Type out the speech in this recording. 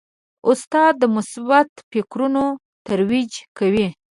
استاد د مثبت فکرونو ترویج کوي.